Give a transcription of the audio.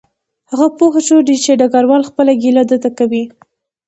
هغه پوه شو چې ډګروال خپله ګیله ده ته کوي